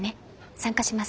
参加します。